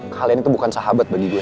kalian itu bukan sahabat bagi gue